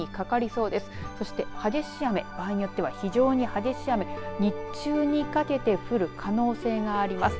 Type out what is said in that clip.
そして激しい雨場合によっては非常に激しい雨日中にかけて降る可能性があります。